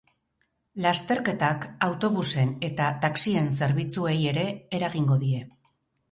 Lasterketak autobusen eta taxien zerbitzuei ere eragingo die.